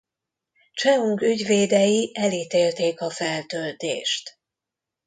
Cheung ügyvédei elítélték a feltöltést.